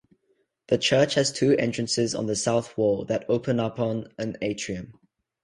The church has two entrances on the south wall that open upon an atrium.